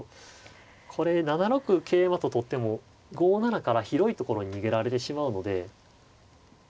これ７六桂馬と取っても５七から広いところに逃げられてしまうので。